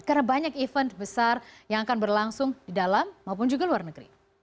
karena banyak event besar yang akan berlangsung di dalam maupun juga luar negeri